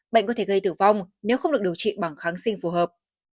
bệnh có thể gây tử vong nếu không được điều trị bằng kháng sinh phù hợp